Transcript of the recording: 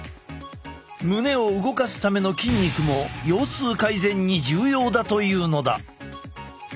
胸を動かすための筋肉も腰痛改善に重要だというのだ。